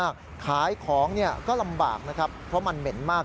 ขายของเนี่ยก็ลำบากนะครับเพราะมันเหม็นมาก